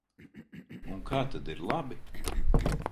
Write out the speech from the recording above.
Un kā tad ir labi?